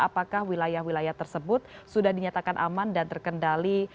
apakah wilayah wilayah tersebut sudah dinyatakan aman dan terkendali